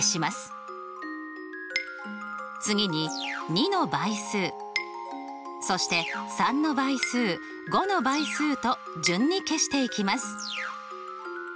次に２の倍数そして３の倍数５の倍数と順に消していきます。